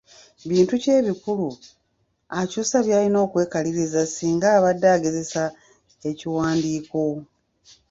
Bintu ki ebikulu akyusa by’alina okwekaliriza singa abadde agezesa ekiwandiiko?